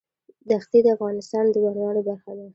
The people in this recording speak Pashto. دښتې د افغانستان د بڼوالۍ برخه ده.